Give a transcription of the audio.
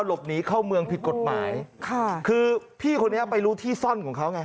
หลบหนีเข้าเมืองผิดกฎหมายค่ะคือพี่คนนี้ไปรู้ที่ซ่อนของเขาไง